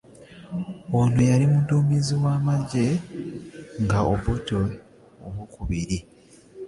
Ono yali muduumizi wa magye ga Obote II.